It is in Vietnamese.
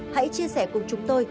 hãy chia sẻ cùng chúng tôi